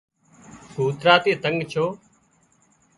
ڪوترا ٿي تنڳ ڇو